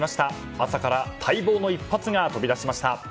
朝から待望の一発が飛び出しました。